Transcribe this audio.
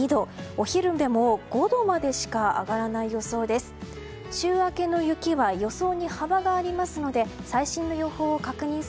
お昼でも、５度までしか上がらない予想です。